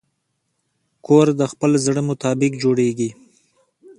کور د خپل زړه مطابق جوړېږي.